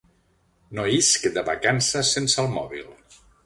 No isc de vacances sense el mòbil.